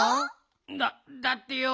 だっだってよ